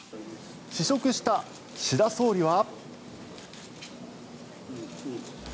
試食した岸田総理は。